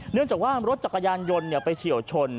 เนื่องจากว่ารถจักรยานยนต์ไปเฉียวชน